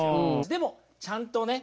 でもちゃんとね